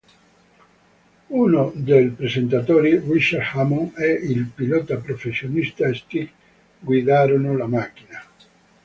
Uno dei presentatori, Richard Hammond e il pilota professionista Stig guidarono la macchina.